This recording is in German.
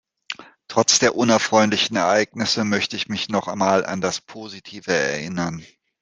Trotz der unerfreulichen Ereignisse, möchte ich noch mal an das Positive erinnern.